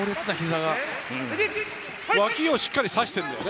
わきをしっかりさしてるんだよね。